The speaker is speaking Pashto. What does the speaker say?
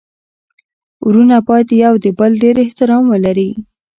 ورونه باید يو د بل ډير احترام ولري.